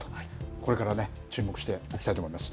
これからね、注目しておきたいと思います。